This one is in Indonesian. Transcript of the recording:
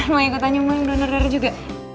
beneran mau ikut tanya emang yang donor darah juga